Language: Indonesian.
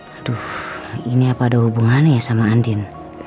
aduh ini apa ada hubungannya ya sama andin